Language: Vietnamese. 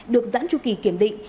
được giãn chu kỳ kiểm định